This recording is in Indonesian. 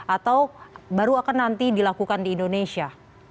atau baru akan nanti dilakukan di indonesia